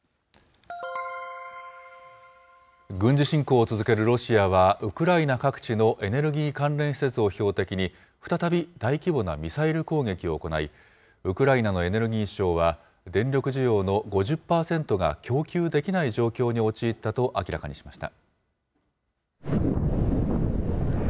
軍事侵攻を続けるロシアは、ウクライナ各地のエネルギー関連施設を標的に、再び大規模なミサイル攻撃を行い、ウクライナのエネルギー相は、電力需要の５０％が供給できない状況に陥ったと明らかにしました。